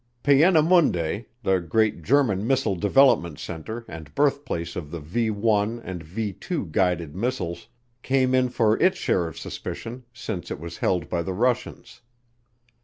Peenemunde, the great German missile development center and birthplace of the V l and V 2 guided missiles, came in for its share of suspicion since it was held by the Russians.